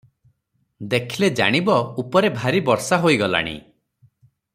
ଦେଖିଲେ ଜାଣିବ, ଉପରେ ଭାରି ବର୍ଷା ହୋଇଗଲାଣି ।